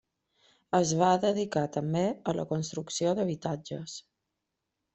Es va dedicar també a la construcció d'habitatges.